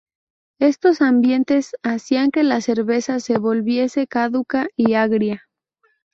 Estos ambientes hacían que la cerveza se volviese caduca y agria.